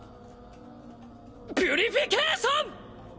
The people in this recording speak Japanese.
ピュリフィケイション！